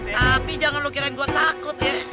tapi jangan lo kirain gua takut ya